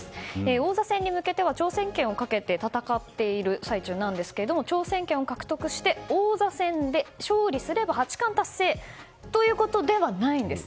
王座戦に向けては挑戦権をかけて戦っている最中なんですが挑戦権を獲得して王座戦で勝利すれば八冠達成ということではないんです。